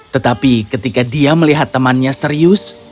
tetapi ketika dia melihat temannya serius